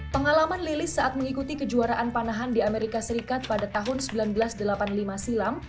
pengalaman lilis saat mengikuti kejuaraan panahan di amerika serikat pada tahun seribu sembilan ratus delapan puluh lima silam